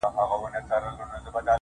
خلگو شتنۍ د ټول جهان څخه راټولي كړې